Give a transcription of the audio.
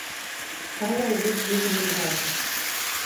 Фая уэш вуйжым рӱзалтыш.